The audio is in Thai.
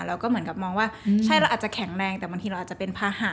เราก็เหมือนกับมองว่าใช่เราอาจจะแข็งแรงแต่บางทีเราอาจจะเป็นภาหะ